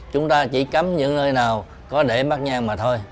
chúng ta chỉ cắm những nơi nào có để bắt nhan mà thôi